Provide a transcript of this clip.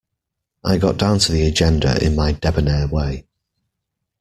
I got down to the agenda in my debonair way.